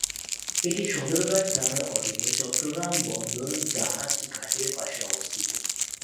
এটি সদরঘাট থানার অধীনে চট্টগ্রাম বন্দরের জাহাজ-ঘাটের পাশে অবস্থিত।